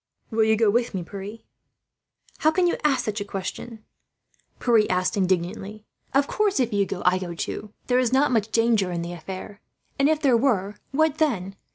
'" "Will you go with me, Pierre?" "How can you ask such a question?" Pierre said, indignantly. "Of course, if you go I go, too. There is not much danger in the affair; and if there were, what then?